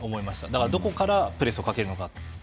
だから、どこからプレスをかけるか。